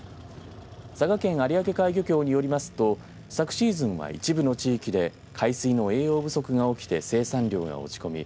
佐賀県有明海漁協によりますと昨シーズンは一部の地域で海水の栄養不足が起きて生産量が落ち込み